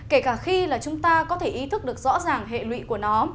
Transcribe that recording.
kể cả khi là chúng ta có thể ý thức được rõ ràng hệ lụy của nó